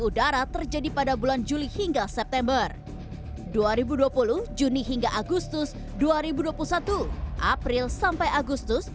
udara terjadi pada bulan juli hingga september dua ribu dua puluh juni hingga agustus dua ribu dua puluh satu april sampai agustus